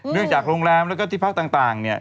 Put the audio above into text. เนื่องจากโรงแรมและที่พักต่าง